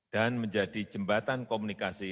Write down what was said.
dan menjadi jembatan komunikasi